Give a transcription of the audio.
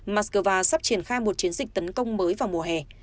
moscow sắp triển khai một chiến dịch tấn công mới vào mùa hè